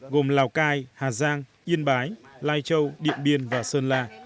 gồm lào cai hà giang yên bái lai châu điện biên và sơn la